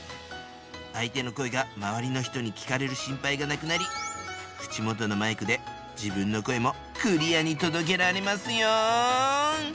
相手の声が周りの人に聞かれる心配がなくなり口元のマイクで自分の声もクリアに届けられますよ。